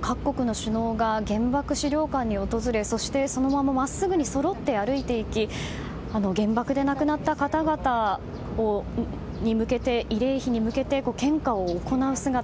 各国の首脳が原爆資料館に訪れ、そしてそのまま真っすぐにそろって歩いて行き原爆で亡くなった方々に向けて慰霊碑に向けて献花を行う姿。